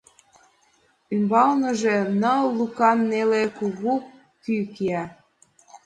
Ӱмбалныже ныл лукан неле кугу кӱ кия.